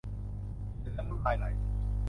เห็นแล้วน้ำลายไหล